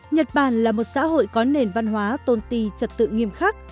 nhật bản là một xã hội có nền văn hóa tôn ti trật tự nghiêm khắc